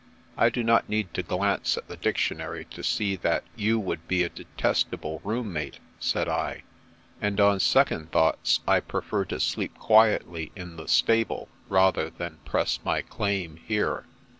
" I do not need to glance at the dictionary to see that you would be a detestable room mate," said I, " and on second thoughts I prefer to sleep quietly in the stable rather than press my claim here."